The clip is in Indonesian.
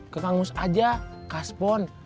kekangus aja kasbon